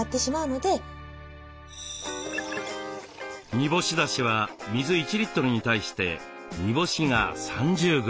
煮干しだしは水１リットルに対して煮干しが３０グラム。